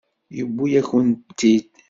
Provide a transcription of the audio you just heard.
Yewwi-yakent-t-id.